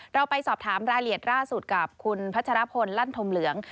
เราไปสอบถามรายละเอียดล่าสุดกับคุณพัชรพลลั่นธมเหลือง